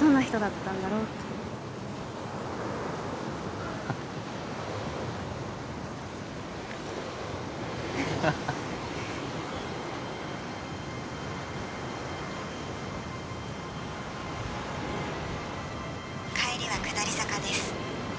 どんな人だったんだろうって帰りは下り坂です